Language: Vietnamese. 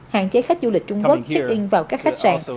hạn chế khách du lịch trung quốc check in vào các khách sạn